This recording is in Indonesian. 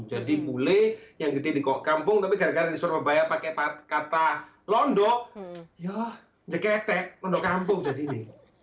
jadi bule yang gede di kampung tapi gara gara di surabaya pakai kata londo ya ngeketek londo kampung jadi ini